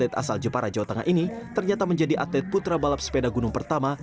atlet asal jepara jawa tengah ini ternyata menjadi atlet putra balap sepeda gunung pertama